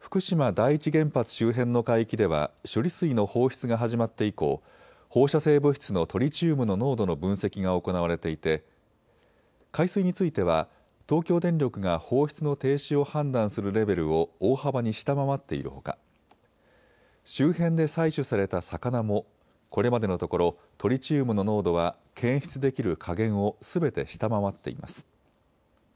福島第一原発周辺の海域では処理水の放出が始まって以降、放射性物質のトリチウムの濃度の分析が行われていて海水については東京電力が放出の停止を判断するレベルを大幅に下回っているほか周辺で採取された魚もこれまでのところトリチウムの濃度は検出できる下限をすべて下回っています。